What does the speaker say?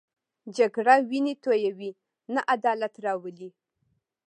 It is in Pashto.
جګړه وینې تویوي، نه عدالت راولي